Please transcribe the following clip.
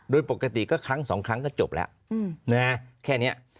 โดยปกติก็ครั้งสองครั้งก็จบแล้วแค่นี้